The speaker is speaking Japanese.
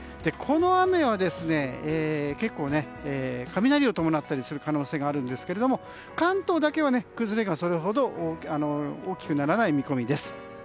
この雨は結構、雷を伴ったりする可能性があるんですけど関東だけは、崩れがそれほど大きくならない見込みです。